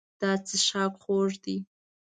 دا څښاک خوږ دی.